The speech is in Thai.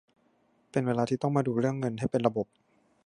เป็นเวลาที่ต้องมาดูเรื่องเงินให้เป็นระบบ